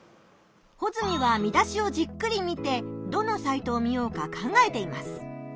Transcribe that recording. ホズミは見出しをじっくり見てどのサイトを見ようか考えています。